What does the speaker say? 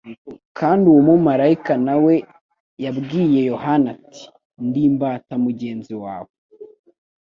Kandi uwo malayika na we yabwiye Yohana ati: "Ndi imbata mugenzi wawe,